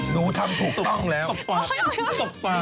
โปรดติดตามตอนต่อไป